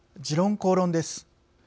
「時論公論」です。